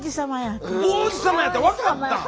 王子さまやって分かったん？